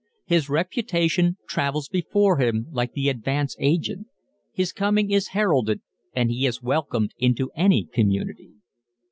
His reputation travels before him like the advance agent. His coming is heralded and he is welcomed into any community.